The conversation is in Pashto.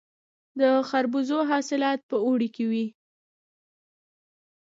د خربوزو حاصلات په اوړي کې وي.